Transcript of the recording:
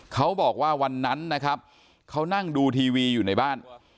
เขาบอกว่าวันนั้นนะครับเขานั่งดูทีวีอยู่ในบ้าน